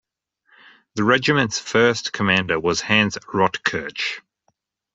The regiment's first commander was Hans Rotkirch.